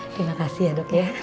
terima kasih ya dok ya